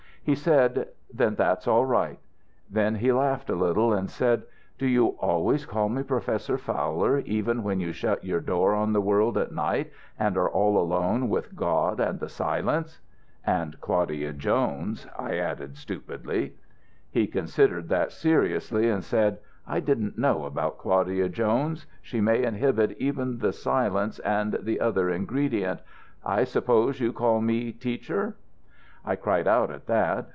"He said, 'Then that's all right.' Then he laughed a little and said, 'Do you always call me Professor Fowler, even when you shut your door on the world at night and are all alone with God and the silence?' "'And Claudia Jones,' I added, stupidly. "He considered that seriously and said, 'I didn't know about Claudia Jones; she may inhibit even the silence and the other ingredient. I suppose you call me Teacher.' "I cried out at that.